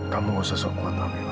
kamu nggak usah sok kuat ramella